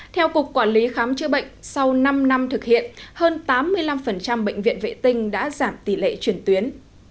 theo cục quản lý khám chữa bệnh sau năm năm thực hiện hơn tám mươi năm bệnh viện vệ tinh đã giảm tỷ lệ chuyển tuyến